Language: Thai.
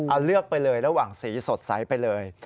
เอาเลือกไปเลยระหว่างสีสดใสไปเลย